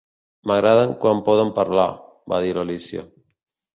"M'agraden quan poden parlar", va dir l'Alícia.